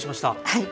はい。